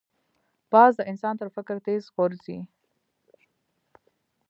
باز د انسان تر فکر تېز غورځي